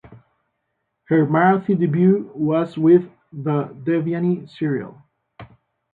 Her marathi debut was with the "Devyani" serial.